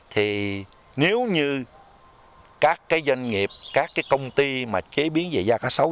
thì nếu như các cái doanh nghiệp các cái công ty mà chế biến về da cá xấu